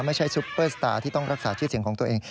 ซุปเปอร์สตาร์ที่ต้องรักษาชื่อเสียงของตัวเอง